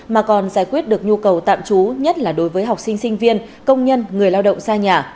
mà còn giải quyết được nhu cầu tạm trú nhất là đối với học sinh sinh viên công nhân người lao động xa nhà